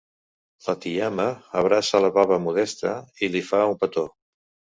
La tiama abraça la baba Modesta i li fa un petó.